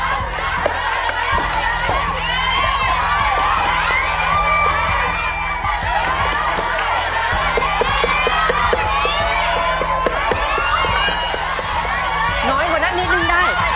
น้อยกว่านั้นนิดนึงได้